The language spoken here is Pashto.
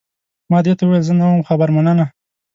ما دې ته وویل، زه نه وم خبر، مننه.